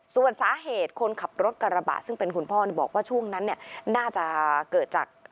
ส่วนสาเหตุคนขับรถกระบะซึ่งเป็นคุณพ่อบอกว่าช่วงนั้นเนี่ยน่าจะเกิดจาก